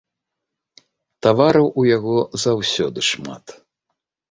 Тавараў у яго заўсёды шмат.